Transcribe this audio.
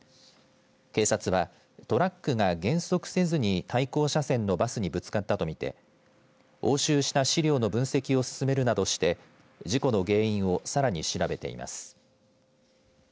警察はトラックが減速せずに対向車線のバスにぶつかったと見て「押収した資料の分析を進めるなどして事故の原因をさらに調べています。